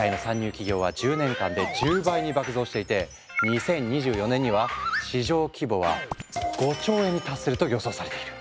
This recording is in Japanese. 企業は１０年間で１０倍に爆増していて２０２４年には市場規模は５兆円に達すると予想されている。